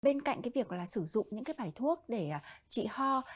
bên cạnh việc sử dụng những bài thuốc để trị ho